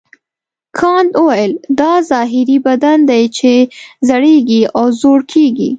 کانت وویل دا ظاهري بدن دی چې زړیږي او زوړ کیږي.